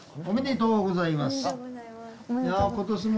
おめでとうございます。